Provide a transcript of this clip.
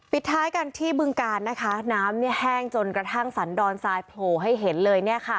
ท้ายกันที่บึงการนะคะน้ำแห้งจนกระทั่งสันดอนทรายโผล่ให้เห็นเลย